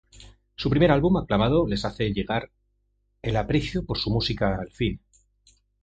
Su primer álbum, aclamado, les hace llegar el aprecio por su música al fin.